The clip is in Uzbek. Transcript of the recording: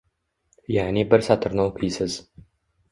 Yaʼni bir satrni o‘qiysiz